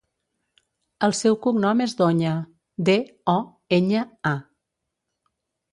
El seu cognom és Doña: de, o, enya, a.